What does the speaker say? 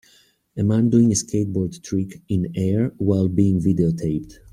A man doing a skateboard trick in air while being videotaped.